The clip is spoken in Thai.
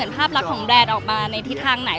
ภาพลักษณ์ของแบรนด์ออกมาในทิศทางไหน